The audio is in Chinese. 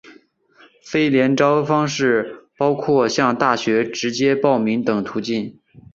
非联招方式包括向大学直接报名等途径。